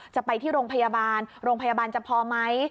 จะไปที่โรงพยาบาลโรงพยาบาลจะพอไหม